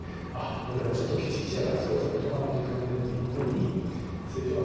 俺らちょっときちきちやからそろそろ止まらんといかんねっていうふうに正常な細胞は止まる。